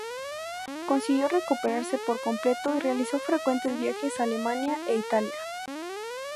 Consiguió recuperarse por completo y realizó frecuentes viajes a Alemania e Italia.